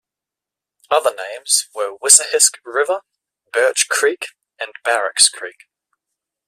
Other names were Wissahisk River, Birch Creek, and Barracks Creek.